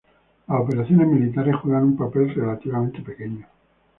Las operaciones militares juegan un papel relativamente pequeño.